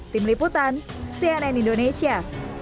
tim liputan cnn indonesia